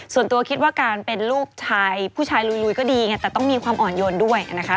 ส่วนตัวคิดว่าการเป็นลูกชายผู้ชายลุยก็ดีไงแต่ต้องมีความอ่อนโยนด้วยนะคะ